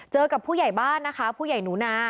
กับผู้ใหญ่บ้านนะคะผู้ใหญ่หนูนา